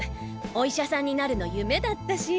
お医者さんになるの夢だったし。